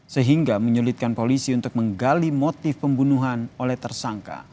sehingga menyulitkan polisi untuk menggali motif pembunuhan oleh tersangka